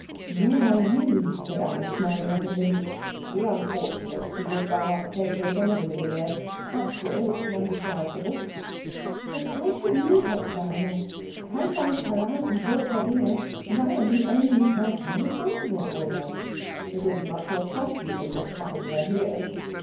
"Nor are you," said Anna, smiling up at him. "We unfortunates who live by our potatoes are never millionaires. But still we can be charitable." "But why should you help the baroness? I found her out, and brought her here, and I am the only person responsible for her." "It will be much more costly than just having her here."